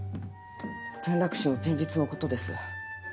転落死の前日のことです。